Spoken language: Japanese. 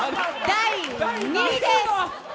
第２位です！